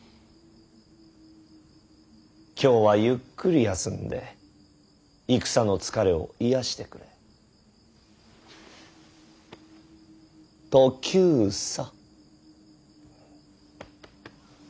今日はゆっくり休んで戦の疲れを癒やしてくれトキューサ。